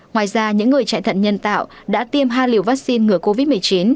ngoài ra những người chạy thận nhân tạo đã tiêm hai liều vaccine ngừa covid một mươi chín